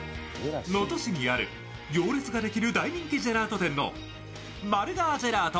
能登市にある行列ができる大人気ジェラート店のマルガージェラート